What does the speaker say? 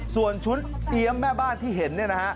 ส่วนชุดเอี๊ยมแม่บ้านที่เห็นเนี่ยนะฮะ